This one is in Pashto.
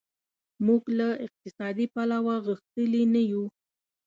موږ له اقتصادي پلوه غښتلي نه یو.